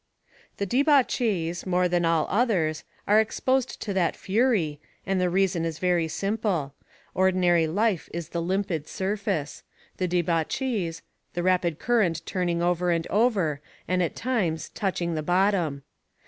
The debauchees, more than all others, are exposed to that fury, and the reason is very simple: ordinary life is the limpid surface; the debauchees, the rapid current turning over and over, and, at times, touching the bottom.